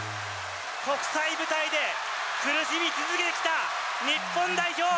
国際舞台で苦しみ続けてきた日本代表。